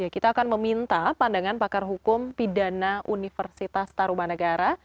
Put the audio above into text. kita akan meminta pandangan pakar hukum pidana universitas tarumanegara